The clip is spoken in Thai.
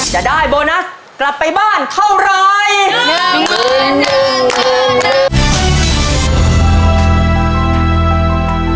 จะได้โบนัสกลับไปบ้านเท่าไร